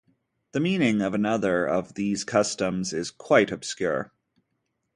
The meaning of another of these customs is quite obscure.